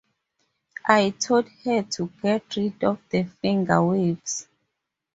I told her to get rid of the finger waves.